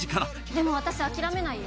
でも私諦めないよ